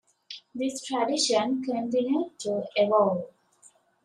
This tradition continued to evolve.